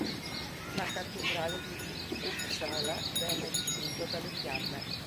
La cattedrale di Uppsala venne distrutta dalle fiamme.